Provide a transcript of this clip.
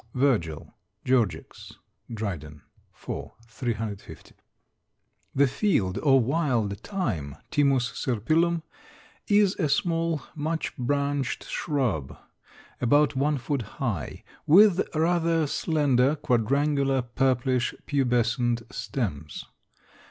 Virgil, Georgics, (Dryden), IV., 350. The field or wild thyme (Thymus serpyllum) is a small, much branched shrub, about one foot high, with rather slender quadrangular, purplish, pubescent stems.